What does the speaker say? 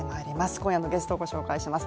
今夜のゲストをご紹介します。